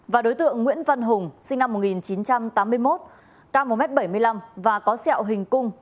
và đối tượng nguyễn văn hùng sinh năm một nghìn chín trăm tám mươi một cao một m bảy mươi năm và có sẹo hình cung